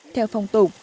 theo phong tục